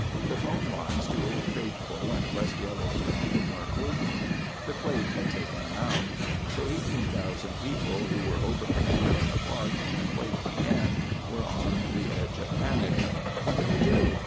The phone lines to Old Faithful and West Yellowstone weren't working. The quake had taken them out. The 18,000 people who were overnighting in the Park when the quakes began were on the edge of panic. "What can we do?"